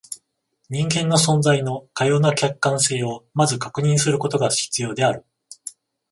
人間の存在のかような客観性を先ず確認することが必要である。